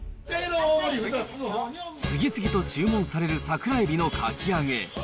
次々と注文される桜エビのかき揚げ。